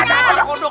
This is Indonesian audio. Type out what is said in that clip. gak ada kodok